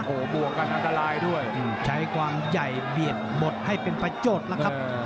โอ้โหบวกกันอันตรายด้วยใช้ความใหญ่เบียดหมดให้เป็นประโยชน์แล้วครับ